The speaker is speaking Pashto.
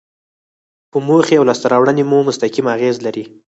په موخې او لاسته راوړنې مو مستقیم اغیز لري.